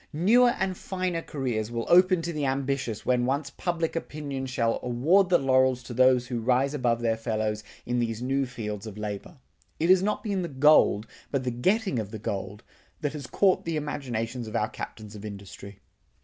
Newer and finer careers will open to the ambitious when once public opinion shall award the laurels to those who rise above their fellows in these new fields of labor. It has not been the gold, but the getting of the gold, that has caught the imaginations of our captains of industry.